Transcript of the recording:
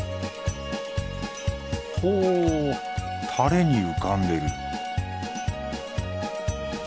ほうタレに浮かんでる